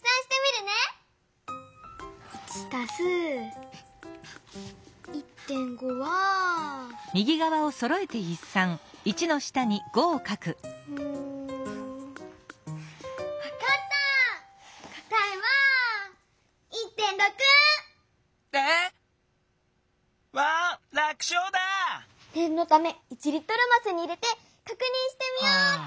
ねんのため１リットルますに入れてかくにんしてみようっと！